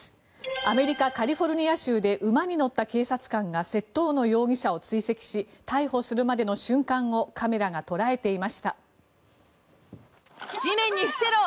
アメリカ・カリフォルニア州で馬に乗った警察官が窃盗の容疑者を追跡し逮捕するまでの瞬間をカメラが捉えていました。